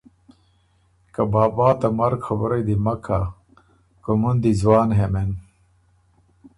که بابا ته مرګ خبُرئ دی مک کَۀ، کُومُن دی ځوان هې مېن،